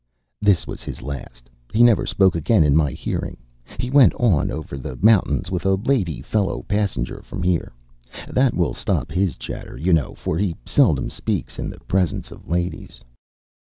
This was his last. He never spoke again in my hearing. He went on over the mountains with a lady fellow passenger from here. That will stop his chatter, you know, for he seldom speaks in the presence of ladies.